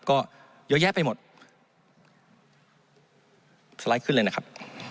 ก็เยอะแยะไปหมดสไลด์ขึ้นเลยนะครับ